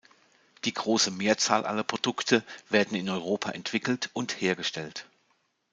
Die große Mehrzahl aller Produkte werden in Europa entwickelt und hergestellt.